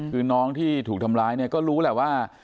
คือน้องที่ถูกทำร้ายเนี่ยก็รู้แหละว่า